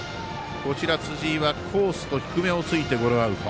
こちら、辻井はコースと低めをついてゴロアウト。